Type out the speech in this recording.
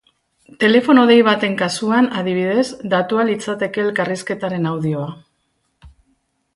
Telefono dei baten kasuan, adibidez, datua litzateke elkarrizketaren audioa.